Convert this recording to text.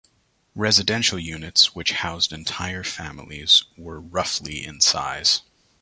Residential units, which housed entire families, were roughly in size.